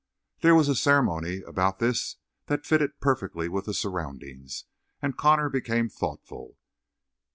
There was a ceremony about this that fitted perfectly with the surroundings, and Connor became thoughtful.